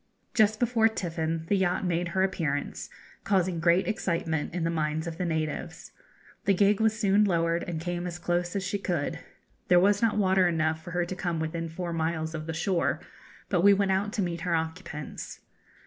Just before tiffin the yacht made her appearance, causing great excitement in the minds of the natives. The gig was soon lowered and came as close as she could. There was not water enough for her to come within four miles of the shore, but we went out to meet her occupants.